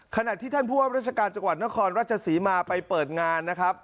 ขณะที่ท่านผู้ว่าราชการจังหวัดนครราชศรีมาไปเปิดงานนะครับ